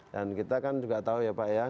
dan kita kan juga tahu ya pak ya